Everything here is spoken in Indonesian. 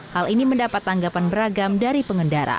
hal ini mendapat tanggapan beragam dari pengendara